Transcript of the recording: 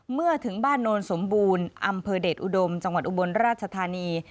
เมื่อถึงบ้านโนนสมบูรณ์อำเภอเดชอุดมจังหวัดอุบลราชธานี